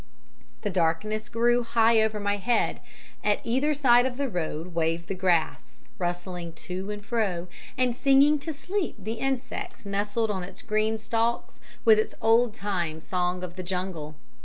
"The darkness grew; high over my head at either side of the road waved the grass, rustling to and fro, and singing to sleep the insects nestling on its green stalks with its old time song of the jungle.